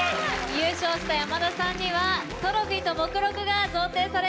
優勝した山田さんにはトロフィーと目録が贈呈されます。